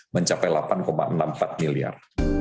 mencapai delapan enam puluh empat miliar